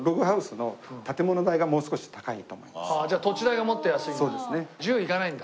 じゃあ土地代がもっと安いんだ。